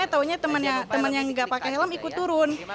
karena temannya yang gak pakai helm ikut turun